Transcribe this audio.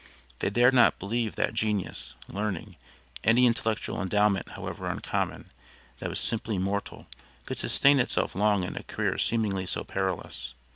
They dared not believe that genius, learning any intellectual endowment however uncommon, that was simply mortal could sustain itself long in a career seemingly so perilous.